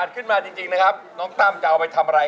เขาเอาสนุกเอาหาเฉย